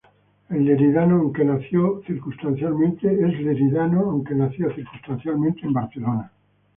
Es leridano aunque nació circunstancialmente en Barcelona.